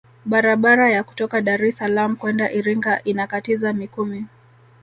barabara ya kutoka dar es salaam kwenda iringa inakatiza mikumi